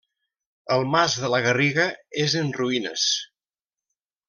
El Mas de la Garriga és en ruïnes.